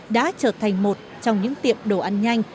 đã trở thành một trong những tiệm đồ ăn nhanh